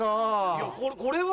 いやこれは？